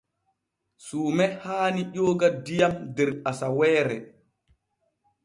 Suume haani jooga diyam der asaweere.